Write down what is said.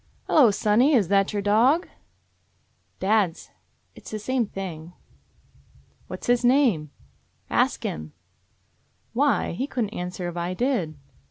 "Hello, sonny. That your dog?" "Dad's. It 's the same thing." "What's his name?" "Ask Him." "Why? He couldn't answer if I did."